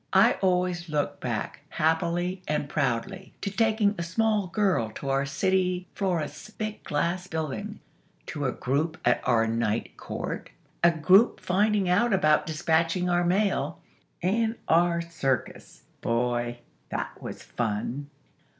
I always look back, happily and proudly, to taking a small girl to our City Florist's big glass building; to a group at our Night Court; a group finding out about dispatching our mail; and our circus! Boy! That was fun!